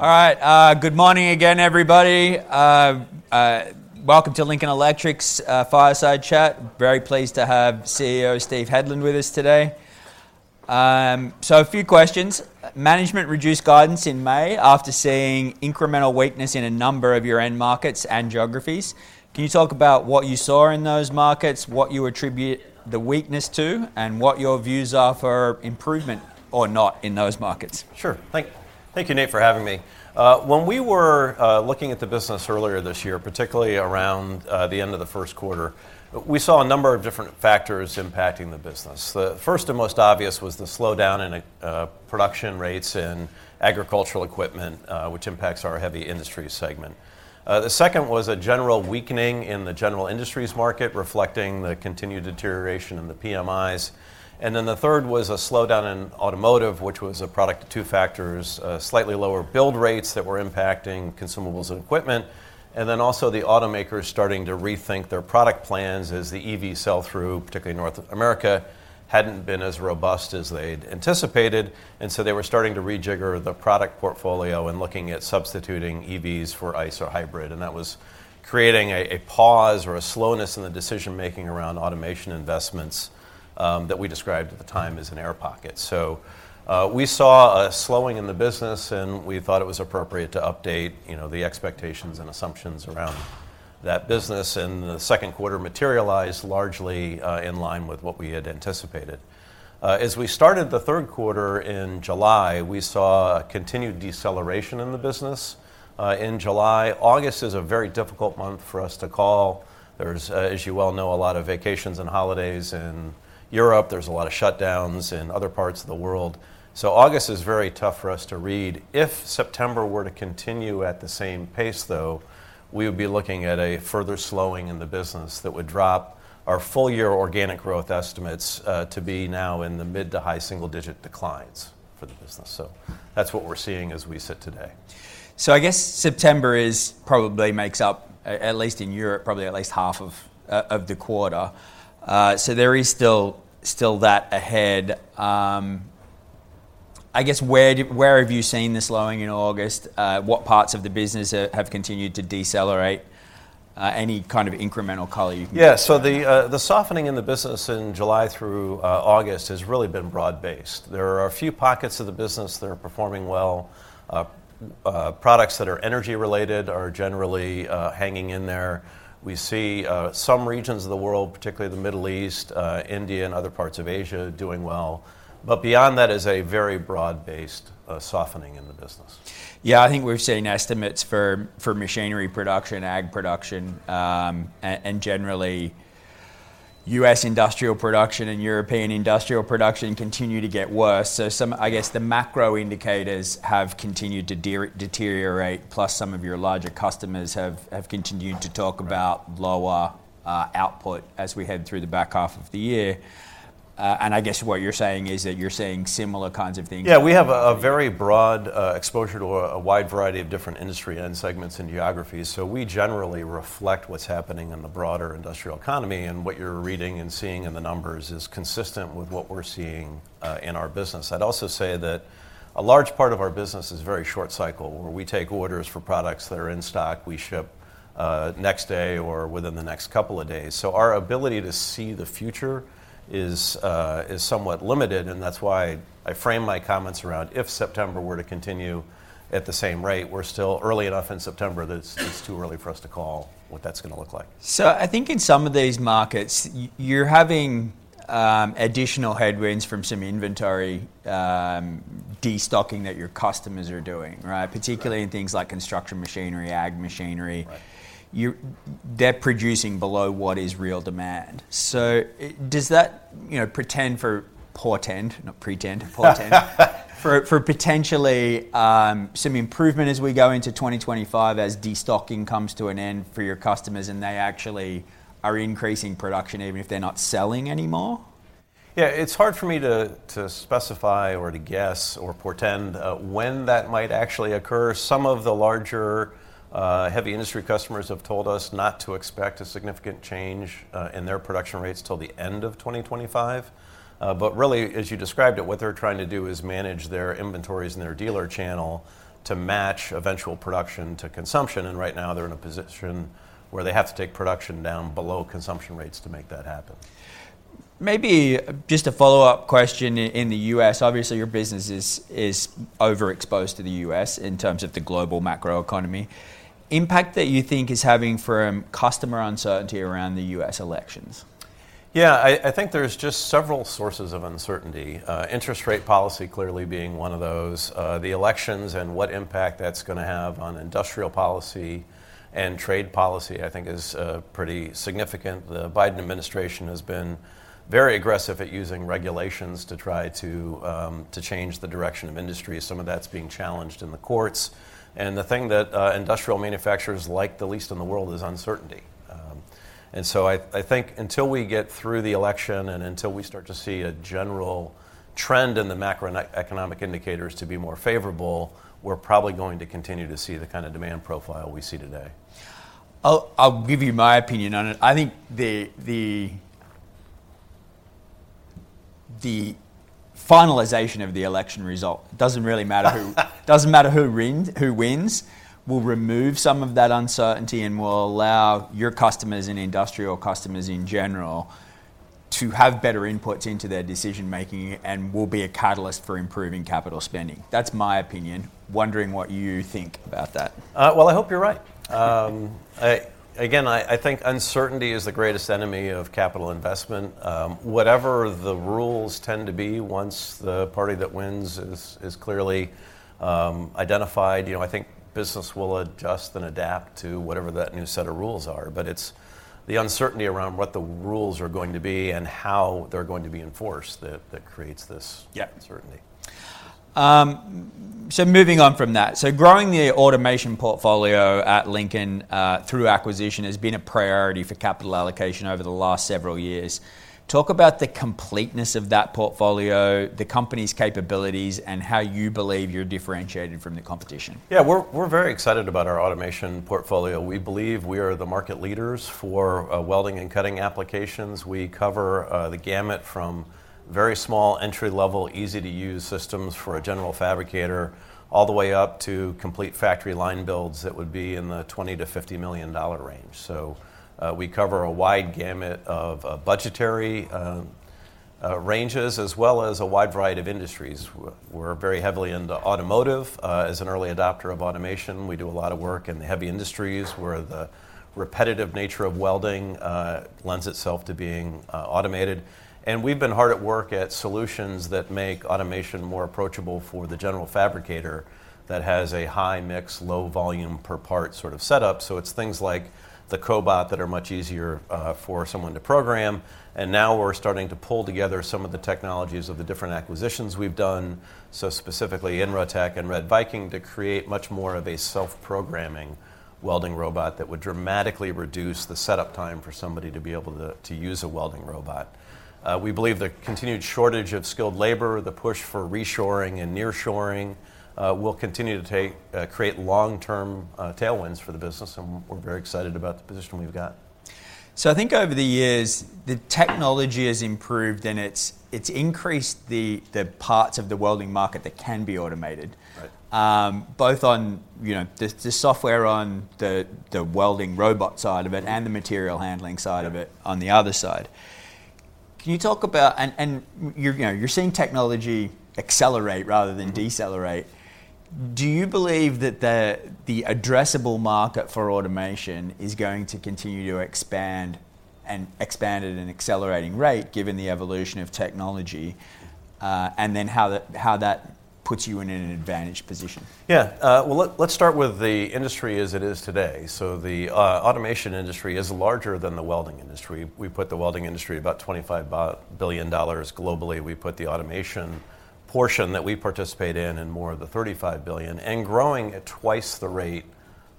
All right, good morning again, everybody. Welcome to Lincoln Electric's Fireside Chat. Very pleased to have CEO Steven Hedlund with us today. So a few questions: management reduced guidance in May after seeing incremental weakness in a number of your end markets and geographies. Can you talk about what you saw in those markets, what you attribute the weakness to, and what your views are for improvement or not in those markets? Sure. Thank you, Nate, for having me. When we were looking at the business earlier this year, particularly around the end of the first quarter, we saw a number of different factors impacting the business. The first and most obvious was the slowdown in production rates in agricultural equipment, which impacts our heavy industry segment. The second was a general weakening in the general industries market, reflecting the continued deterioration in the PMIs. And then the third was a slowdown in automotive, which was a product of two factors: slightly lower build rates that were impacting consumables and equipment, and then also the automakers starting to rethink their product plans as the EV sell-through, particularly in North America, hadn't been as robust as they'd anticipated. They were starting to rejigger the product portfolio and looking at substituting EVs for ICE or hybrid, and that was creating a pause or a slowness in the decision-making around automation investments that we described at the time as an air pocket. We saw a slowing in the business, and we thought it was appropriate to update, you know, the expectations and assumptions around that business, and the second quarter materialized largely in line with what we had anticipated. As we started the third quarter in July, we saw a continued deceleration in the business in July. August is a very difficult month for us to call. There's, as you well know, a lot of vacations and holidays in Europe. There's a lot of shutdowns in other parts of the world. August is very tough for us to read. If September were to continue at the same pace, though, we would be looking at a further slowing in the business that would drop our full-year organic growth estimates, to be now in the mid to high single-digit declines for the business. So that's what we're seeing as we sit today. So I guess September probably makes up at least in Europe, probably at least half of the quarter. So there is still that ahead. I guess, where have you seen the slowing in August? What parts of the business have continued to decelerate? Any kind of incremental color you can give? Yeah. So the softening in the business in July through August has really been broad-based. There are a few pockets of the business that are performing well. Products that are energy-related are generally hanging in there. We see some regions of the world, particularly the Middle East, India, and other parts of Asia, doing well. But beyond that is a very broad-based softening in the business. Yeah, I think we're seeing estimates for machinery production, ag production, and generally, U.S. industrial production and European industrial production continue to get worse. So I guess the macro indicators have continued to deteriorate, plus some of your larger customers have continued to talk about- Right... lower output as we head through the back half of the year. And I guess what you're saying is that you're seeing similar kinds of things. Yeah, we have a very broad exposure to a wide variety of different industry end segments and geographies, so we generally reflect what's happening in the broader industrial economy, and what you're reading and seeing in the numbers is consistent with what we're seeing in our business. I'd also say that a large part of our business is very short cycle, where we take orders for products that are in stock, we ship next day or within the next couple of days. So our ability to see the future is somewhat limited, and that's why I framed my comments around if September were to continue at the same rate. We're still early enough in September that it's too early for us to call what that's gonna look like. So I think in some of these markets, you're having additional headwinds from some inventory destocking that your customers are doing, right? Right. Particularly in things like construction machinery, ag machinery. Right. They're producing below what is real demand. So does that, you know, portend for potentially some improvement as we go into 2025, as destocking comes to an end for your customers, and they actually are increasing production, even if they're not selling anymore? Yeah, it's hard for me to specify or to guess or portend when that might actually occur. Some of the larger heavy industry customers have told us not to expect a significant change in their production rates till the end of twenty twenty-five. But really, as you described it, what they're trying to do is manage their inventories and their dealer channel to match eventual production to consumption, and right now, they're in a position where they have to take production down below consumption rates to make that happen. Maybe just a follow-up question. In the U.S., obviously, your business is overexposed to the U.S. in terms of the global macroeconomy. Impact that you think is having from customer uncertainty around the U.S. elections? Yeah, I think there's just several sources of uncertainty. Interest rate policy clearly being one of those. The elections and what impact that's gonna have on industrial policy and trade policy, I think is pretty significant. The Biden administration has been very aggressive at using regulations to try to change the direction of industry. Some of that's being challenged in the courts, and the thing that industrial manufacturers like the least in the world is uncertainty, and so I think until we get through the election and until we start to see a general trend in the macroeconomic indicators to be more favorable, we're probably going to continue to see the kind of demand profile we see today. I'll give you my opinion on it. I think the finalization of the election result, doesn't really matter who wins, will remove some of that uncertainty and will allow your customers and industrial customers in general, to have better inputs into their decision making and will be a catalyst for improving capital spending. That's my opinion. Wondering what you think about that? Well, I hope you're right. Again, I think uncertainty is the greatest enemy of capital investment. Whatever the rules tend to be, once the party that wins is clearly identified, you know, I think business will adjust and adapt to whatever that new set of rules are. But it's the uncertainty around what the rules are going to be and how they're going to be enforced that creates this- Yeah - uncertainty. So moving on from that. So growing the automation portfolio at Lincoln, through acquisition, has been a priority for capital allocation over the last several years. Talk about the completeness of that portfolio, the company's capabilities, and how you believe you're differentiated from the competition. Yeah, we're very excited about our automation portfolio. We believe we are the market leaders for welding and cutting applications. We cover the gamut from very small entry-level, easy-to-use systems for a general fabricator, all the way up to complete factory line builds that would be in the $20-$50 million range, so we cover a wide gamut of budgetary ranges, as well as a wide variety of industries. We're very heavily into automotive. As an early adopter of automation, we do a lot of work in the heavy industries, where the repetitive nature of welding lends itself to being automated, and we've been hard at work at solutions that make automation more approachable for the general fabricator that has a high-mix, low-volume per part sort of setup. So it's things like the cobot that are much easier for someone to program. And now we're starting to pull together some of the technologies of the different acquisitions we've done, so specifically Inrotech and RedViking, to create much more of a self-programming welding robot that would dramatically reduce the setup time for somebody to be able to, to use a welding robot. We believe the continued shortage of skilled labor, the push for reshoring and nearshoring, will continue to create long-term tailwinds for the business, and we're very excited about the position we've got. I think over the years, the technology has improved, and it's increased the parts of the welding market that can be automated- Right... both on, you know, the software on the welding robot side of it and the material handling side of it- Yeah on the other side. Can you talk about... and you're, you know, you're seeing technology accelerate rather than decelerate. Do you believe that the addressable market for automation is going to continue to expand and expand at an accelerating rate, given the evolution of technology, and then how that puts you in an advantaged position? Yeah, well, let's start with the industry as it is today. So the automation industry is larger than the welding industry. We put the welding industry about $25 billion globally. We put the automation portion that we participate in in more of the $35 billion, and growing at twice the rate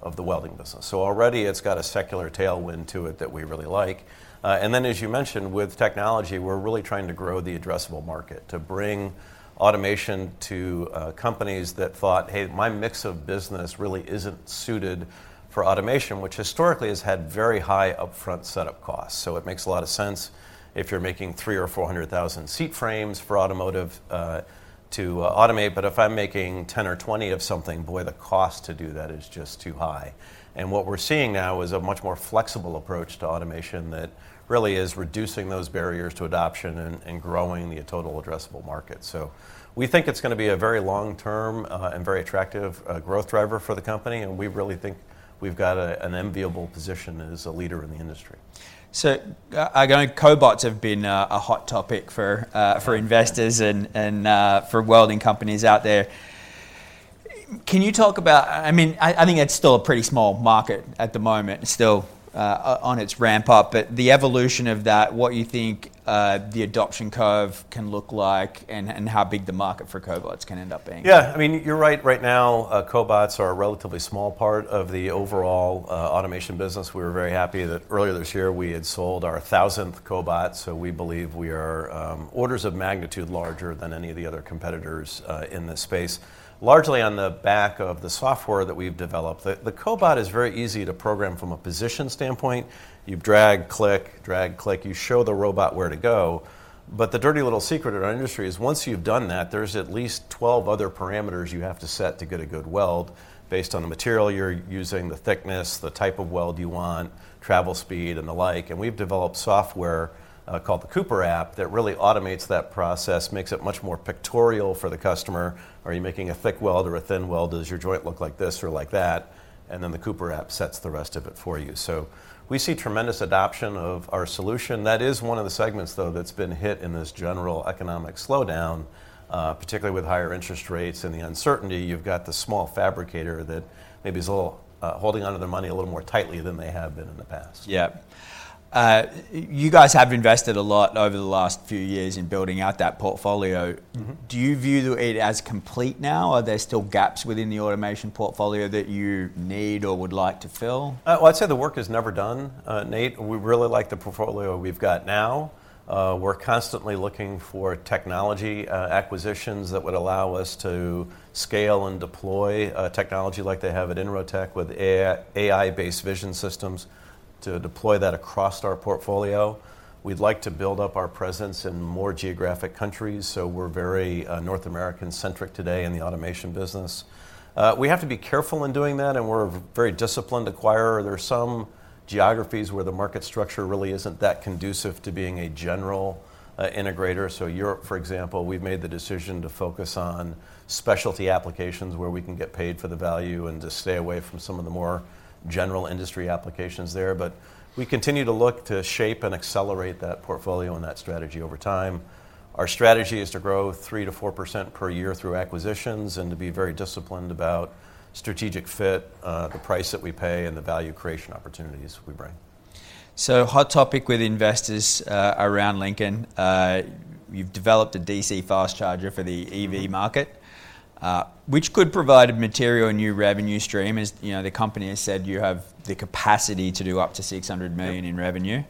of the welding business. So already it's got a secular tailwind to it that we really like. And then, as you mentioned, with technology, we're really trying to grow the addressable market, to bring automation to companies that thought, "Hey, my mix of business really isn't suited for automation," which historically has had very high upfront setup costs. So it makes a lot of sense if you're making 300,000-400,000 seat frames for automotive to automate. But if I'm making 10 or 20 of something, boy, the cost to do that is just too high. And what we're seeing now is a much more flexible approach to automation that really is reducing those barriers to adoption and growing the total addressable market. So we think it's gonna be a very long-term and very attractive growth driver for the company, and we really think we've got an enviable position as a leader in the industry. So, cobots have been a hot topic for investors and for welding companies out there. Can you talk about... I mean, I think it's still a pretty small market at the moment. It's still on its ramp up, but the evolution of that, what you think the adoption curve can look like, and how big the market for cobots can end up being? Yeah, I mean, you're right. Right now, cobots are a relatively small part of the overall automation business. We were very happy that earlier this year, we had sold our thousandth cobot, so we believe we are orders of magnitude larger than any of the other competitors in this space. Largely on the back of the software that we've developed, the cobot is very easy to program from a position standpoint. You drag, click, drag, click, you show the robot where to go. But the dirty little secret in our industry is, once you've done that, there's at least 12 other parameters you have to set to get a good weld based on the material you're using, the thickness, the type of weld you want, travel speed, and the like. And we've developed software, called the Cooper App, that really automates that process, makes it much more pictorial for the customer. Are you making a thick weld or a thin weld? Does your joint look like this or like that? And then the Cooper App sets the rest of it for you. So we see tremendous adoption of our solution. That is one of the segments, though, that's been hit in this general economic slowdown, particularly with higher interest rates and the uncertainty. You've got the small fabricator that maybe is a little, holding onto their money a little more tightly than they have been in the past. Yeah, you guys have invested a lot over the last few years in building out that portfolio. Do you view it as complete now? Are there still gaps within the automation portfolio that you need or would like to fill? Well, I'd say the work is never done, Nate. We really like the portfolio we've got now. We're constantly looking for technology, acquisitions that would allow us to scale and deploy, technology like they have at Inrotech with AI, AI-based vision systems, to deploy that across our portfolio. We'd like to build up our presence in more geographic countries, so we're very North American-centric today in the automation business. We have to be careful in doing that, and we're a very disciplined acquirer. There are some geographies where the market structure really isn't that conducive to being a general integrator. So Europe, for example, we've made the decision to focus on specialty applications where we can get paid for the value and just stay away from some of the more general industry applications there. But we continue to look to shape and accelerate that portfolio and that strategy over time. Our strategy is to grow 3%-4% per year through acquisitions and to be very disciplined about strategic fit, the price that we pay, and the value creation opportunities we bring. Hot topic with investors around Lincoln. You've developed a DC fast charger for the EV market, which could provide a material and new revenue stream. As you know, the company has said you have the capacity to do up to $600 million- Yep... in revenue.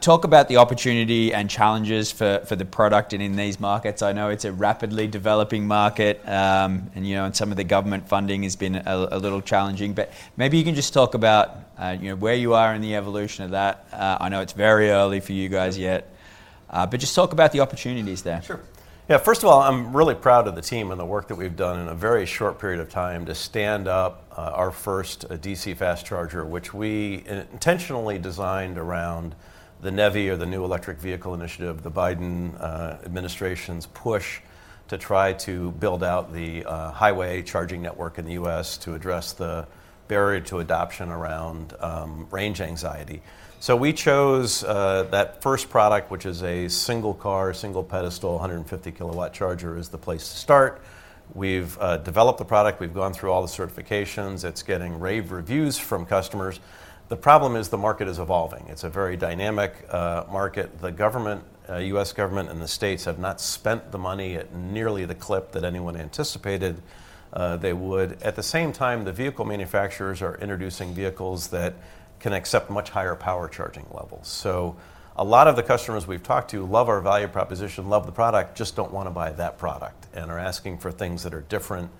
Talk about the opportunity and challenges for the product and in these markets. I know it's a rapidly developing market, and you know, some of the government funding has been a little challenging, but maybe you can just talk about, you know, where you are in the evolution of that. I know it's very early for you guys yet- Sure... but just talk about the opportunities there. Sure. Yeah, first of all, I'm really proud of the team and the work that we've done in a very short period of time to stand up our first DC fast charger, which we intentionally designed around the NEVI, or the New Electric Vehicle Initiative, the Biden administration's push to try to build out the highway charging network in the U.S. to address the barrier to adoption around range anxiety. So we chose that first product, which is a single car, single pedestal, 150 kilowatt charger, as the place to start. We've developed the product. We've gone through all the certifications. It's getting rave reviews from customers. The problem is, the market is evolving. It's a very dynamic market. The government U.S. government and the states have not spent the money at nearly the clip that anyone anticipated they would. At the same time, the vehicle manufacturers are introducing vehicles that can accept much higher power charging levels. So a lot of the customers we've talked to love our value proposition, love the product, just don't wanna buy that product and are asking for things that are different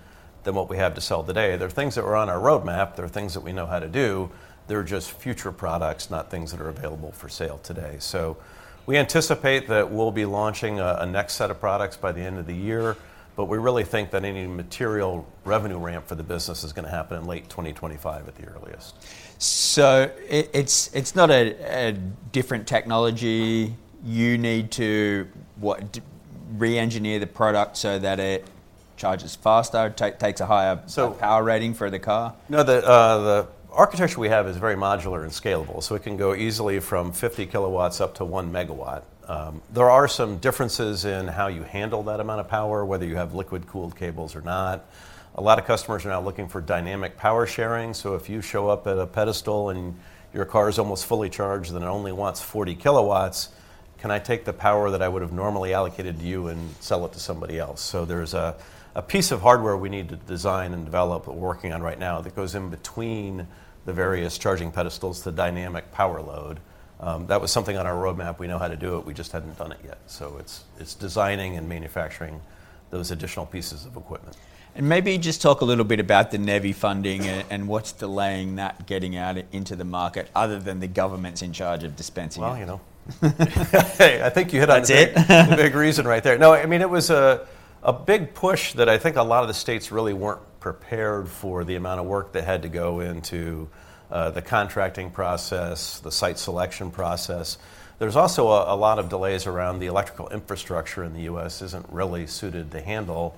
than what we have to sell today. They're things that were on our roadmap. They're things that we know how to do. They're just future products, not things that are available for sale today. So we anticipate that we'll be launching a next set of products by the end of the year, but we really think that any material revenue ramp for the business is gonna happen in late 2025 at the earliest. So it's not a different technology. You need to re-engineer the product so that it charges faster, or takes a higher so power rating for the car? No, the architecture we have is very modular and scalable, so it can go easily from 50 kilowatts up to 1 megawatt. There are some differences in how you handle that amount of power, whether you have liquid-cooled cables or not. A lot of customers are now looking for dynamic power sharing, so if you show up at a pedestal and your car is almost fully charged, and it only wants 40 kilowatts, can I take the power that I would have normally allocated to you and sell it to somebody else? So there's a piece of hardware we need to design and develop, we're working on right now, that goes in between the various charging pedestals, the dynamic power load. That was something on our roadmap. We know how to do it. We just hadn't done it yet. It's designing and manufacturing those additional pieces of equipment. Maybe just talk a little bit about the NEVI funding and what's delaying that getting out into the market, other than the government's in charge of dispensing it? You know, I think you hit on the- I did?... big reason right there. No, I mean, it was a big push that I think a lot of the states really weren't prepared for the amount of work that had to go into the contracting process, the site selection process. There's also a lot of delays around the electrical infrastructure in the U.S. isn't really suited to handle all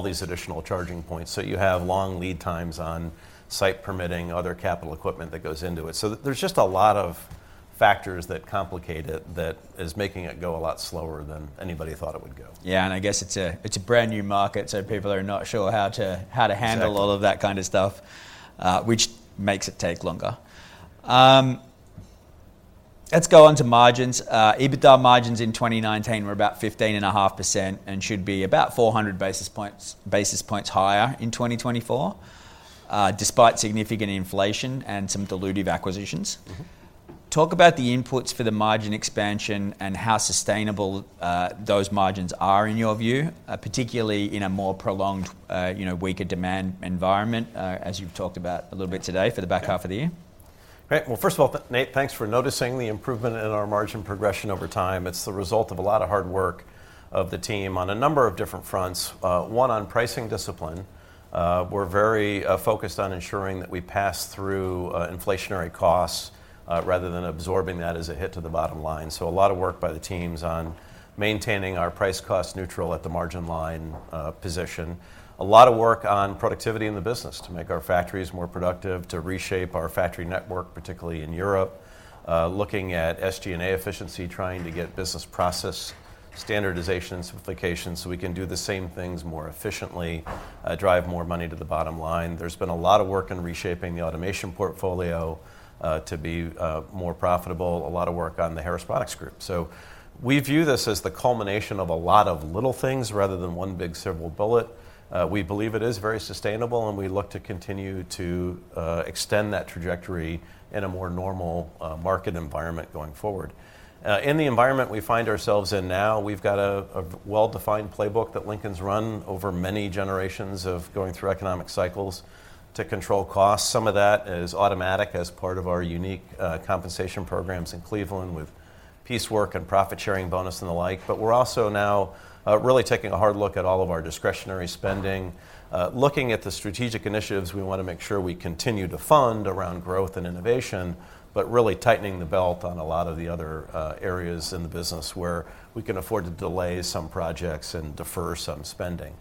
these additional charging points. So you have long lead times on site permitting, other capital equipment that goes into it. So there's just a lot of factors that complicate it, that is making it go a lot slower than anybody thought it would go. Yeah, and I guess it's a brand-new market, so people are not sure how to handle- Exactly... all of that kind of stuff, which makes it take longer. Let's go on to margins. EBITDA margins in 2019 were about 15.5% and should be about 400 basis points higher in 2024, despite significant inflation and some dilutive acquisitions. Talk about the inputs for the margin expansion and how sustainable those margins are in your view, particularly in a more prolonged, you know, weaker demand environment, as you've talked about a little bit today? Yeah... for the back half of the year. ... Great! Well, first of all, Nate, thanks for noticing the improvement in our margin progression over time. It's the result of a lot of hard work of the team on a number of different fronts. One, on pricing discipline. We're very focused on ensuring that we pass through inflationary costs rather than absorbing that as a hit to the bottom line. So a lot of work by the teams on maintaining our price-cost neutral at the margin line position. A lot of work on productivity in the business to make our factories more productive, to reshape our factory network, particularly in Europe. Looking at SG&A efficiency, trying to get business process standardization simplification, so we can do the same things more efficiently, drive more money to the bottom line. There's been a lot of work in reshaping the automation portfolio to be more profitable, a lot of work on the Harris Products Group. So we view this as the culmination of a lot of little things, rather than one big silver bullet. We believe it is very sustainable, and we look to continue to extend that trajectory in a more normal market environment going forward. In the environment we find ourselves in now, we've got a well-defined playbook that Lincoln's run over many generations of going through economic cycles to control costs. Some of that is automatic as part of our unique compensation programs in Cleveland, with piecework and profit sharing bonus, and the like. But we're also now really taking a hard look at all of our discretionary spending. Looking at the strategic initiatives, we wanna make sure we continue to fund around growth and innovation, but really tightening the belt on a lot of the other areas in the business, where we can afford to delay some projects and defer some spending.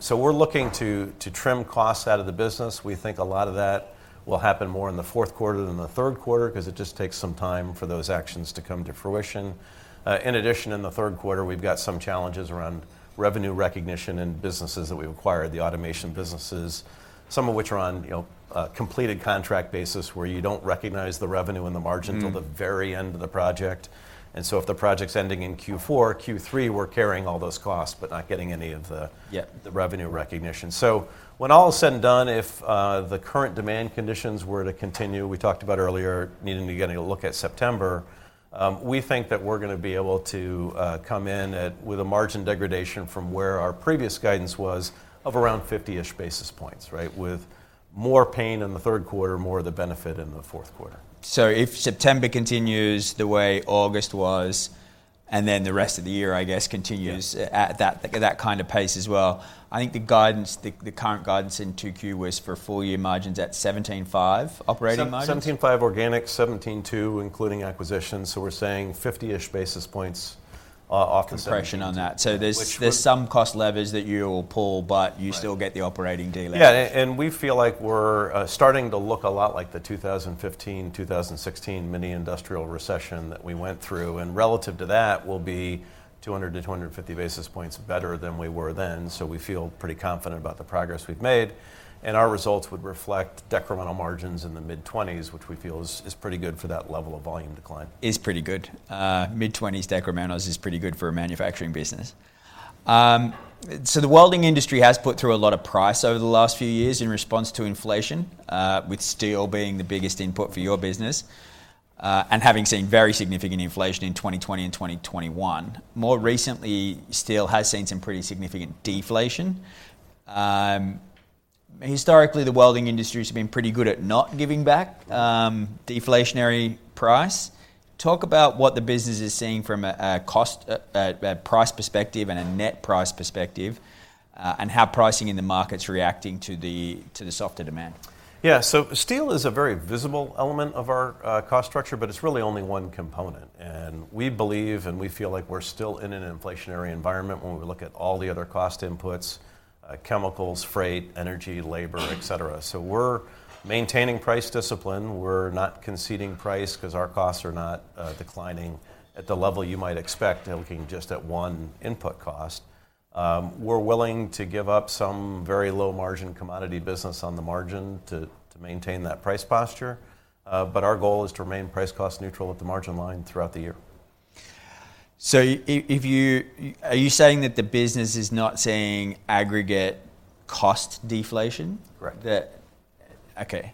So we're looking to trim costs out of the business. We think a lot of that will happen more in the fourth quarter than the third quarter, 'cause it just takes some time for those actions to come to fruition. In addition, in the third quarter, we've got some challenges around revenue recognition in businesses that we've acquired, the automation businesses, some of which are on, you know, a completed contract basis, where you don't recognize the revenue and the margin till the very end of the project, and so if the project's ending in Q4, Q3, we're carrying all those costs but not getting any of the- Yeah ...the revenue recognition. So when all is said and done, if the current demand conditions were to continue, we talked about earlier needing to get a look at September, we think that we're gonna be able to come in with a margin degradation from where our previous guidance was, of around fifty-ish basis points, right? With more pain in the third quarter, more of the benefit in the fourth quarter. So if September continues the way August was, and then the rest of the year, I guess, continues- Yeah... at that kind of pace as well, I think the guidance, the current guidance in 2Q was for full year margins at 17.5% operating margins? Seventeen five organic, seventeen two including acquisitions, so we're saying fifty-ish basis points off of seventeen two- Compression on that. Which would- So there's some cost levers that you will pull, but- Right... you still get the operating deleverage. Yeah, and we feel like we're starting to look a lot like the 2015, 2016 mini industrial recession that we went through, and relative to that, we'll be 200-250 basis points better than we were then. So we feel pretty confident about the progress we've made, and our results would reflect decremental margins in the mid-twenties, which we feel is pretty good for that level of volume decline. It's pretty good. Mid-twenties decremental is pretty good for a manufacturing business. So the welding industry has put through a lot of price over the last few years in response to inflation, with steel being the biggest input for your business, and having seen very significant inflation in 2020 and 2021. More recently, steel has seen some pretty significant deflation. Historically, the welding industry has been pretty good at not giving back the inflationary price. Talk about what the business is seeing from a cost, a price perspective and a net price perspective, and how pricing in the market's reacting to the softer demand. Yeah, so steel is a very visible element of our cost structure, but it's really only one component. And we believe, and we feel like we're still in an inflationary environment when we look at all the other cost inputs, chemicals, freight, energy, labor, et cetera. So we're maintaining price discipline. We're not conceding price, 'cause our costs are not declining at the level you might expect, looking just at one input cost. We're willing to give up some very low-margin commodity business on the margin to maintain that price posture, but our goal is to remain price cost neutral at the margin line throughout the year. Are you saying that the business is not seeing aggregate cost deflation? Correct. Okay.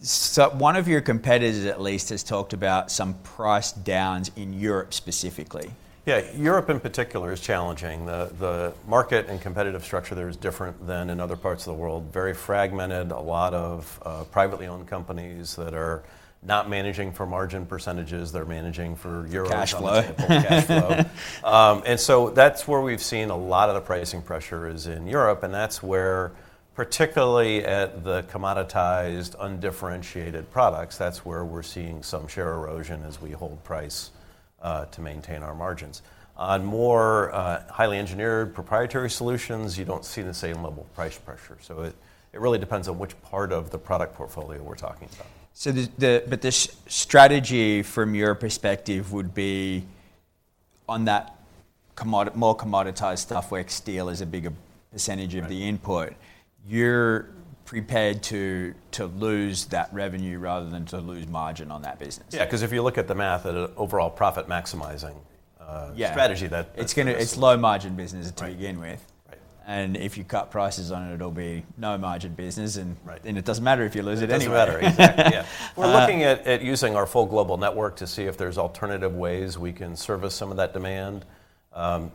So one of your competitors, at least, has talked about some price downs in Europe specifically. Yeah, Europe in particular is challenging. The market and competitive structure there is different than in other parts of the world. Very fragmented, a lot of privately owned companies that are not managing for margin percentages, they're managing for euros on the table. Cash flow.... Cash flow. And so that's where we've seen a lot of the pricing pressure is in Europe, and that's where, particularly at the commoditized, undifferentiated products, that's where we're seeing some share erosion as we hold price, to maintain our margins. On more, highly engineered proprietary solutions, you don't see the same level of price pressure. So it really depends on which part of the product portfolio we're talking about. So but the strategy from your perspective would be on that more commoditized stuff, where steel is a bigger percentage of the input- Right... you're prepared to lose that revenue rather than to lose margin on that business? Yeah, 'cause if you look at the math at a overall profit-maximizing- Yeah... strategy, that, it's- It's low-margin business. Right... to begin with. Right. And if you cut prices on it, it'll be no-margin business, and- Right... and it doesn't matter if you lose it anyway. It doesn't matter, exactly, yeah. Uh- We're looking at using our full global network to see if there's alternative ways we can service some of that demand.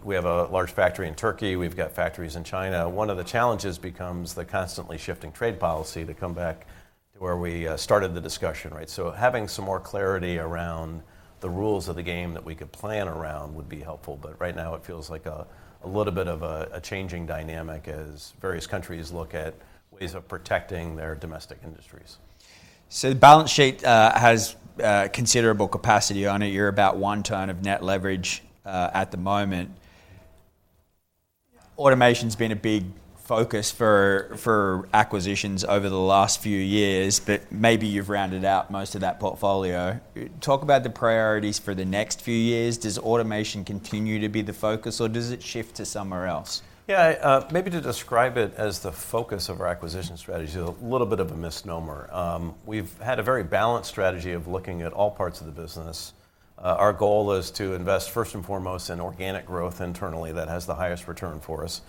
We have a large factory in Turkey. We've got factories in China. One of the challenges becomes the constantly shifting trade policy, to come back to where we started the discussion, right? So having some more clarity around the rules of the game that we could plan around would be helpful, but right now it feels like a little bit of a changing dynamic as various countries look at ways of protecting their domestic industries. The balance sheet has considerable capacity on it. You're about one times net leverage at the moment. Automation's been a big focus for acquisitions over the last few years, but maybe you've rounded out most of that portfolio. Talk about the priorities for the next few years. Does automation continue to be the focus, or does it shift to somewhere else? Yeah, maybe to describe it as the focus of our acquisition strategy is a little bit of a misnomer. We've had a very balanced strategy of looking at all parts of the business. Our goal is to invest first and foremost in organic growth internally, that has the highest return for us.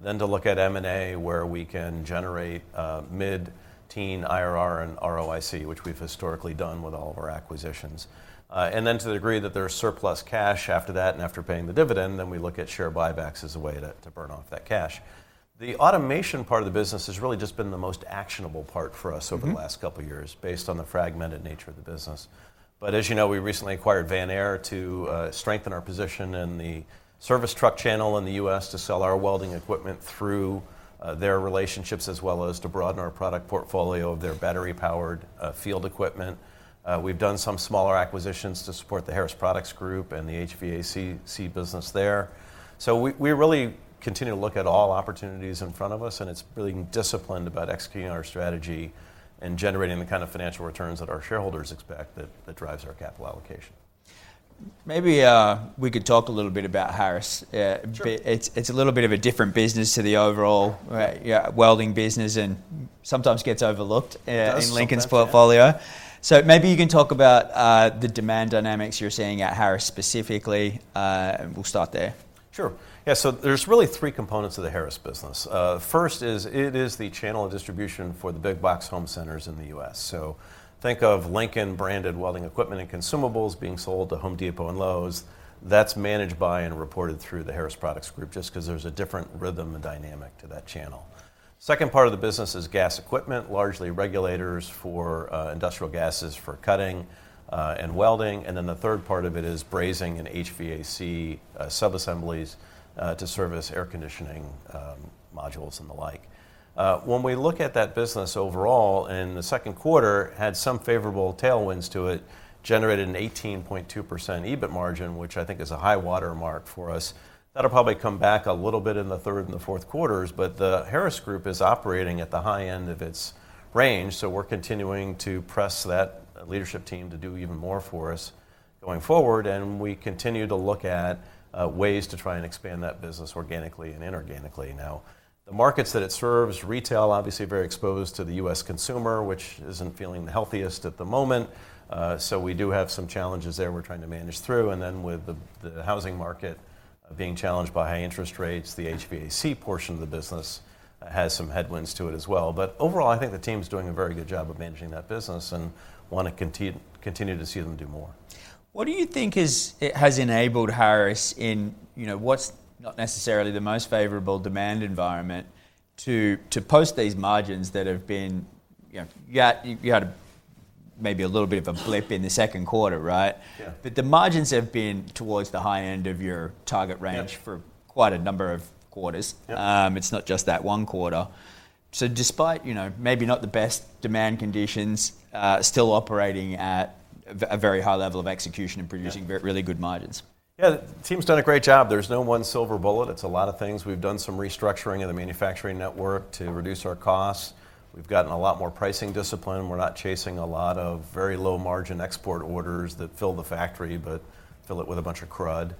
Then to look at M&A, where we can generate mid-teen IRR and ROIC, which we've historically done with all of our acquisitions. And then to the degree that there is surplus cash after that and after paying the dividend, then we look at share buybacks as a way to burn off that cash. The automation part of the business has really just been the most actionable part for us-... over the last couple of years, based on the fragmented nature of the business. But as you know, we recently acquired Vanair to strengthen our position in the service truck channel in the U.S., to sell our welding equipment through their relationships, as well as to broaden our product portfolio of their battery-powered field equipment. We've done some smaller acquisitions to support the Harris Products Group and the HVAC business there. So we really continue to look at all opportunities in front of us, and it's being disciplined about executing our strategy and generating the kind of financial returns that our shareholders expect that drives our capital allocation. Maybe we could talk a little bit about Harris. Sure. It's a little bit of a different business to the overall- Yeah... yeah, welding business, and sometimes gets overlooked- It does sometimes, yeah.... in Lincoln's portfolio. So maybe you can talk about the demand dynamics you're seeing at Harris specifically, and we'll start there. Sure. Yeah, so there's really three components of the Harris business. First is, it is the channel of distribution for the big box home centers in the US. So think of Lincoln-branded welding equipment and consumables being sold to Home Depot and Lowe's. That's managed by and reported through the Harris Products Group, just 'cause there's a different rhythm and dynamic to that channel. Second part of the business is gas equipment, largely regulators for industrial gases for cutting and welding, and then the third part of it is brazing and HVAC subassemblies to service air conditioning modules and the like. When we look at that business overall, in the second quarter, had some favorable tailwinds to it, generated an 18.2% EBIT margin, which I think is a high-water mark for us. That'll probably come back a little bit in the third and the fourth quarters, but the Harris group is operating at the high end of its range, so we're continuing to press that leadership team to do even more for us going forward, and we continue to look at ways to try and expand that business organically and inorganically. Now, the markets that it serves, retail, obviously very exposed to the U.S. consumer, which isn't feeling the healthiest at the moment. So we do have some challenges there we're trying to manage through, and then with the housing market being challenged by high interest rates, the HVAC portion of the business has some headwinds to it as well. But overall, I think the team's doing a very good job of managing that business, and want to continue to see them do more. What do you think has enabled Harris in, you know, what's not necessarily the most favorable demand environment, to post these margins that have been... You know, you had maybe a little bit of a blip in the second quarter, right? Yeah. But the margins have been toward the high end of your target range- Yeah... for quite a number of quarters. Yeah. It's not just that one quarter, so despite, you know, maybe not the best demand conditions, still operating at a very high level of execution and producing- Yeah, the team's done a great job. There's no one silver bullet. It's a lot of things. We've done some restructuring of the manufacturing network to reduce our costs. We've gotten a lot more pricing discipline. We're not chasing a lot of very low-margin export orders that fill the factory, but fill it with a bunch of crud.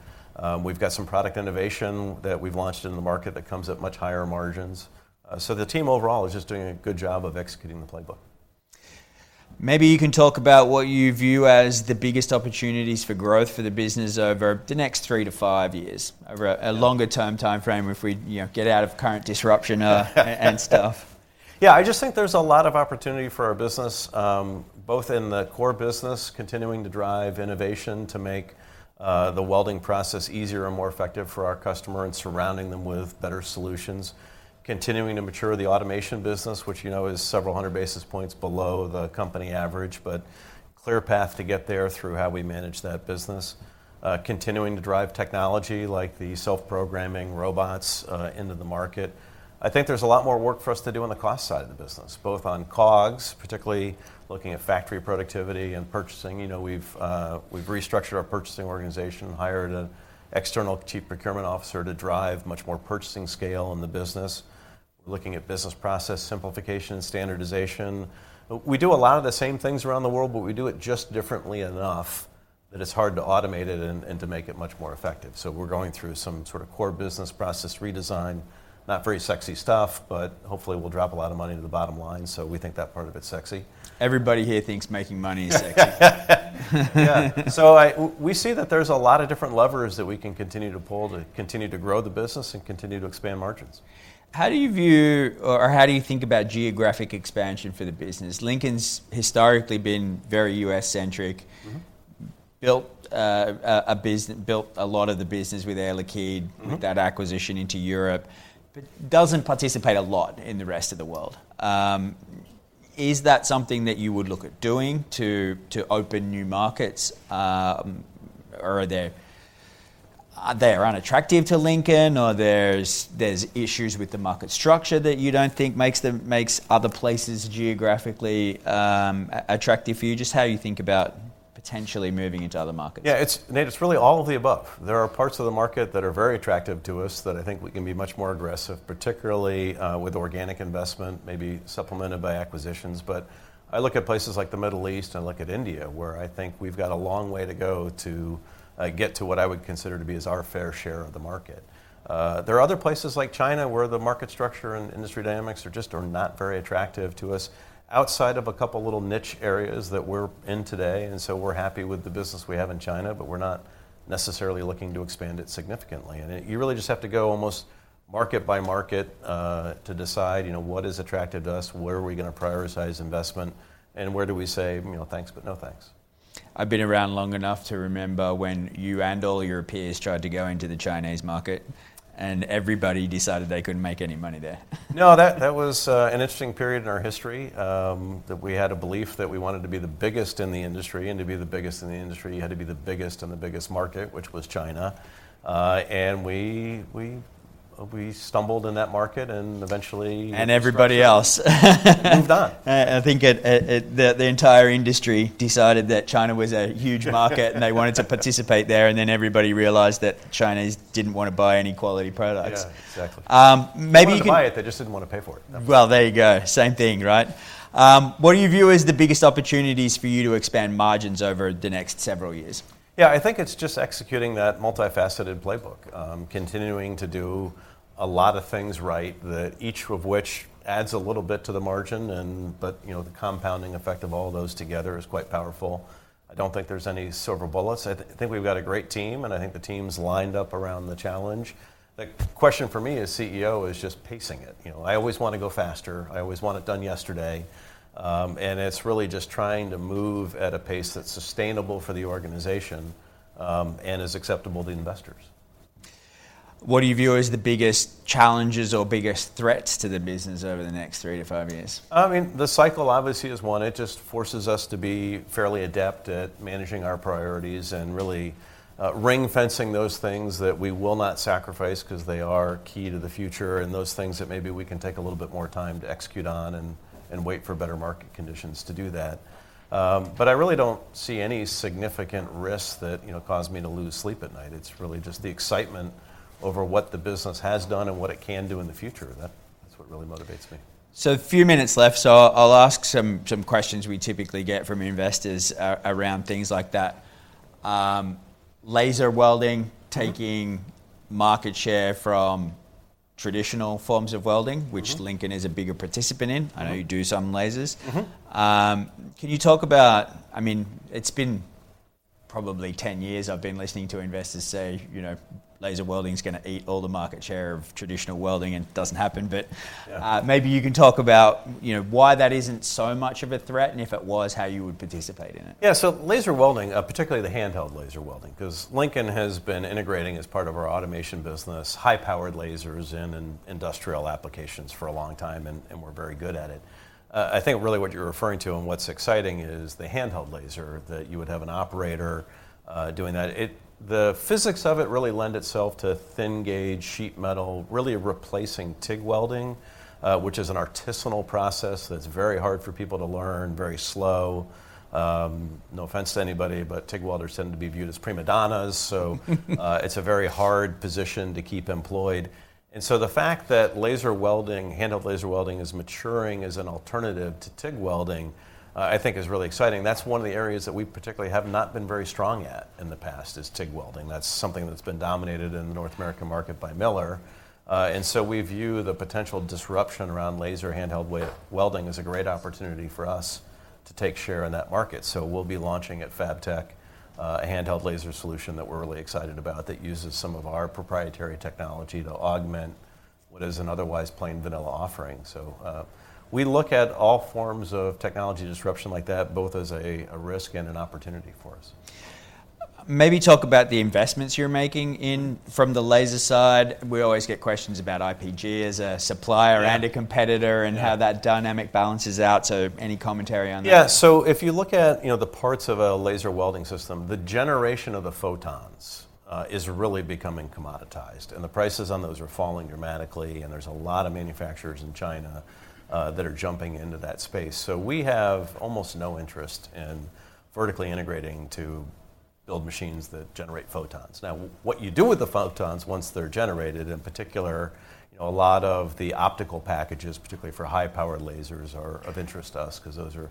We've got some product innovation that we've launched in the market that comes at much higher margins. So the team overall is just doing a good job of executing the playbook. Maybe you can talk about what you view as the biggest opportunities for growth for the business over the next three to five years... a longer-term timeframe, if we, you know, get out of current disruption, and stuff. Yeah, I just think there's a lot of opportunity for our business, both in the core business, continuing to drive innovation to make the welding process easier and more effective for our customer, and surrounding them with better solutions. Continuing to mature the automation business, which, you know, is several hundred basis points below the company average, but clear path to get there through how we manage that business. Continuing to drive technology like the self-programming robots into the market. I think there's a lot more work for us to do on the cost side of the business, both on COGS, particularly looking at factory productivity and purchasing. You know, we've restructured our purchasing organization, hired an external chief procurement officer to drive much more purchasing scale in the business. Looking at business process simplification and standardization. We do a lot of the same things around the world, but we do it just differently enough that it's hard to automate it and to make it much more effective. So we're going through some sort of core business process redesign. Not very sexy stuff, but hopefully we'll drop a lot of money to the bottom line, so we think that part of it's sexy. Everybody here thinks making money is sexy. Yeah. So we see that there's a lot of different levers that we can continue to pull to continue to grow the business and continue to expand margins. How do you view, or how do you think about geographic expansion for the business? Lincoln's historically been very U.S.-centric built a lot of the business with Air Liquide that acquisition into Europe, but doesn't participate a lot in the rest of the world. Is that something that you would look at doing to open new markets? Or are they unattractive to Lincoln, or there's issues with the market structure that you don't think makes other places geographically, attractive for you? Just how you think about potentially moving into other markets. Yeah, it's, Nate, it's really all of the above. There are parts of the market that are very attractive to us that I think we can be much more aggressive, particularly, with organic investment, maybe supplemented by acquisitions. But I look at places like the Middle East, I look at India, where I think we've got a long way to go to, get to what I would consider to be as our fair share of the market. There are other places like China, where the market structure and industry dynamics are just, are not very attractive to us outside of a couple of little niche areas that we're in today, and so we're happy with the business we have in China, but we're not necessarily looking to expand it significantly. You really just have to go almost market by market, to decide, you know, what is attractive to us, where are we gonna prioritize investment, and where do we say, you know, "Thanks, but no, thanks. I've been around long enough to remember when you and all your peers tried to go into the Chinese market, and everybody decided they couldn't make any money there. No, that was an interesting period in our history that we had a belief that we wanted to be the biggest in the industry, and to be the biggest in the industry, you had to be the biggest in the biggest market, which was China, and we stumbled in that market, and eventually- Everybody else. Moved on. I think the entire industry decided that China was a huge market and they wanted to participate there, and then everybody realized that Chinese didn't wanna buy any quality products. Yeah, exactly. Maybe you can- They wanted to buy it, they just didn't want to pay for it. There you go. Same thing, right? What do you view as the biggest opportunities for you to expand margins over the next several years? Yeah, I think it's just executing that multifaceted playbook. Continuing to do a lot of things right, that each of which adds a little bit to the margin, and, you know, the compounding effect of all those together is quite powerful. I don't think there's any silver bullets. I think we've got a great team, and I think the team's lined up around the challenge. The question for me as CEO is just pacing it. You know, I always wanna go faster, I always want it done yesterday. And it's really just trying to move at a pace that's sustainable for the organization, and is acceptable to investors. What do you view as the biggest challenges or biggest threats to the business over the next three to five years? I mean, the cycle, obviously, is one. It just forces us to be fairly adept at managing our priorities and really, ringfencing those things that we will not sacrifice 'cause they are key to the future, and those things that maybe we can take a little bit more time to execute on and wait for better market conditions to do that. But I really don't see any significant risks that, you know, cause me to lose sleep at night. It's really just the excitement over what the business has done and what it can do in the future, that, that's what really motivates me. So a few minutes left, so I'll ask some questions we typically get from investors around things like that. Laser welding taking market share from traditional forms of welding which Lincoln is a bigger participant in. I know you do some lasers. Can you talk about, I mean, it's been probably ten years, I've been listening to investors say, you know, laser welding is gonna eat all the market share of traditional welding, and it doesn't happen, but- Yeah... maybe you can talk about you know, why that isn't so much of a threat, and if it was, how you would participate in it? Yeah, so laser welding, particularly the handheld laser welding, 'cause Lincoln has been integrating as part of our automation business, high-powered lasers in industrial applications for a long time, and we're very good at it. I think really what you're referring to, and what's exciting, is the handheld laser that you would have an operator doing that. The physics of it really lend itself to thin-gauge sheet metal, really replacing TIG welding, which is an artisanal process that's very hard for people to learn, very slow. No offense to anybody, but TIG welders tend to be viewed as prima donnas, so it's a very hard position to keep employed, and so the fact that laser welding, handheld laser welding, is maturing as an alternative to TIG welding, I think is really exciting. That's one of the areas that we particularly have not been very strong at in the past, is TIG welding. That's something that's been dominated in the North American market by Miller. And so we view the potential disruption around laser handheld welding as a great opportunity for us to take share in that market. So we'll be launching at Fabtech a handheld laser solution that we're really excited about, that uses some of our proprietary technology to augment what is an otherwise plain vanilla offering. So we look at all forms of technology disruption like that, both as a risk and an opportunity for us. Maybe talk about the investments you're making in, from the laser side. We always get questions about IPG as a supplier and a competitor and how that dynamic balances out, so any commentary on that? Yeah. So if you look at, you know, the parts of a laser welding system, the generation of the photons is really becoming commoditized, and the prices on those are falling dramatically, and there's a lot of manufacturers in China that are jumping into that space. So we have almost no interest in vertically integrating to build machines that generate photons. Now, what you do with the photons, once they're generated, in particular, you know, a lot of the optical packages, particularly for high-powered lasers, are of interest to us, 'cause those are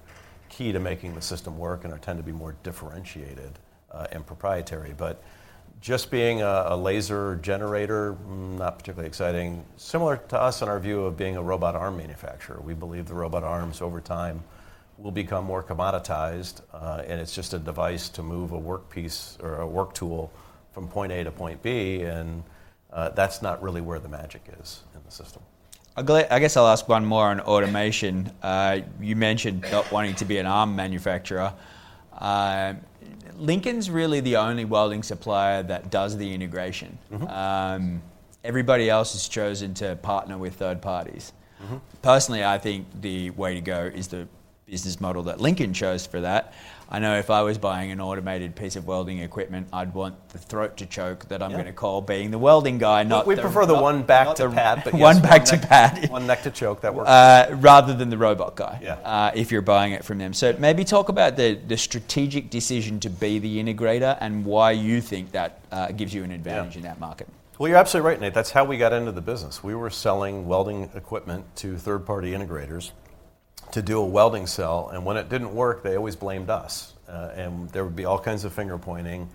key to making the system work and are tend to be more differentiated and proprietary. But just being a laser generator, not particularly exciting. Similar to us and our view of being a robot arm manufacturer, we believe the robot arms, over time, will become more commoditized, and it's just a device to move a work piece or a work tool from point A to point B, and, that's not really where the magic is in the system. I guess I'll ask one more on automation. You mentioned not wanting to be an arm manufacturer. Lincoln's really the only welding supplier that does the integration. Everybody else has chosen to partner with third parties. Personally, I think the way to go is the business model that Lincoln chose for that. I know if I was buying an automated piece of welding equipment, I'd want the throat to choke- Yeah... that I'm gonna call, being the welding guy, not the- We prefer the one back to pat. One back to pat. One neck to choke, that works. Rather than the robot guy- Yeah... if you're buying it from them. So maybe talk about the strategic decision to be the integrator, and why you think that gives you an advantage- Yeah... in that market. You're absolutely right, Nate. That's how we got into the business. We were selling welding equipment to third-party integrators to do a welding cell, and when it didn't work, they always blamed us. And there would be all kinds of finger-pointing.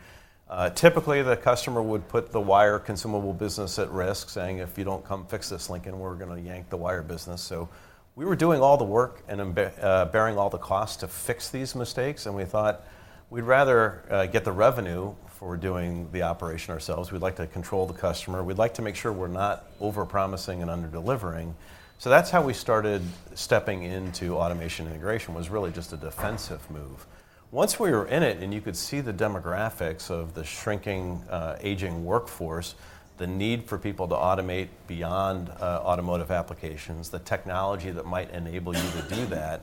Typically, the customer would put the wire consumable business at risk, saying, "If you don't come fix this, Lincoln, we're gonna yank the wire business." So we were doing all the work and bearing all the cost to fix these mistakes, and we thought, "We'd rather get the revenue for doing the operation ourselves. We'd like to control the customer. We'd like to make sure we're not over-promising and under-delivering." So that's how we started stepping into automation integration, was really just a defensive move. Once we were in it, and you could see the demographics of the shrinking, aging workforce, the need for people to automate beyond, automotive applications, the technology that might enable you to do that,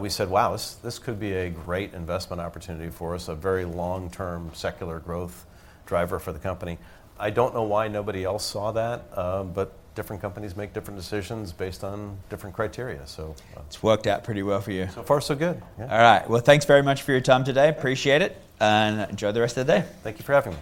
we said, "Wow, this, this could be a great investment opportunity for us, a very long-term, secular growth driver for the company." I don't know why nobody else saw that, but different companies make different decisions based on different criteria. So... It's worked out pretty well for you. So far, so good. Yeah. All right. Well, thanks very much for your time today. Appreciate it, and enjoy the rest of the day. Thank you for having me.